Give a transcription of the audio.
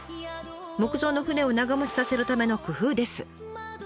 木造の船を長もちさせるための工夫です。